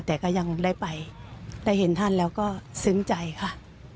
แต่ก็ยังได้ไปได้เห็นท่านแล้วก็ซึ้งใจค่ะ